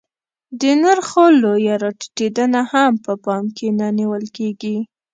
د نرخو لویه راټیټېدنه هم په پام کې نه نیول کېږي